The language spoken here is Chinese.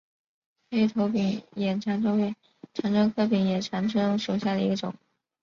黑头柄眼长蝽为长蝽科柄眼长蝽属下的一个种。